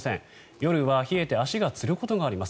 夜は冷えて足がつることがあります。